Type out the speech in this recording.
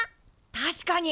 確かに！